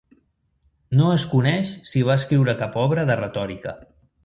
No es coneix si va escriure cap obra de retòrica.